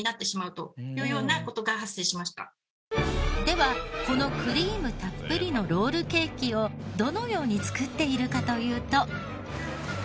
ではこのクリームたっぷりのロールケーキをどうのように作っているかというと。